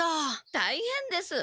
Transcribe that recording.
たいへんです。